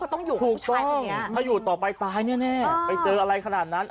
ถ้าอยู่ต่อไปตายเนี่ยแน่ไปเจออะไรขนาดนั้น